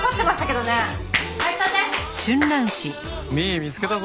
美依見つけたぞ。